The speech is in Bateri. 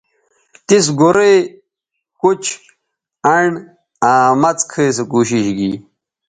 تِس گورئ، کُچ، انڈ آ مڅ کھئ سو کوشش گی